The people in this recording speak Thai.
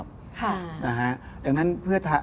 อเจมส์